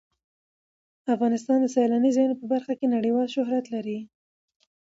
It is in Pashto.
افغانستان د سیلانی ځایونه په برخه کې نړیوال شهرت لري.